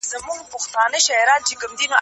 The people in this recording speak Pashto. شاه شجاع د مهاراجا په حضور کي ناست و.